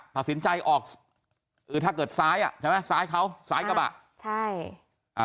ตัดสินใจออกเออถ้าเกิดซ้ายอ่ะใช่ไหมซ้ายเขาซ้ายกระบะใช่อ่า